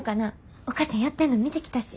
お母ちゃんやってんの見てきたし。